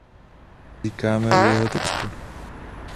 Co říkáme v jeho textu?